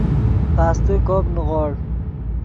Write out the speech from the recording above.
خاستے کوپ نیغوڑ